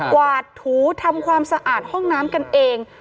วาดถูทำความสะอาดห้องน้ำกันเอง